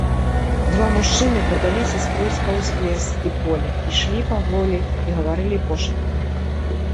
Два мужчыны падаліся скрозь паўз лес і поле, ішлі паволі і гаварылі пошапкам.